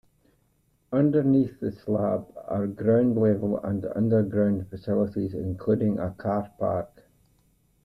Underneath the slab are ground-level and underground facilities, including a car park.